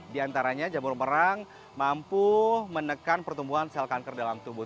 di antaranya jamur merang mampu menekan pertumbuhan sel kanker dalam tubuh